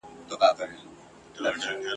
مړاوي سوي رژېدلي د نېستۍ کندي ته تللي ..